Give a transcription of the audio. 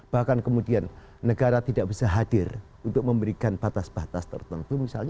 bahkan kemudian negara tidak bisa hadir untuk memberikan batas batas tertentu misalnya